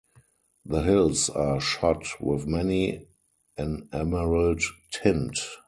The hills are shot with many an emerald tint.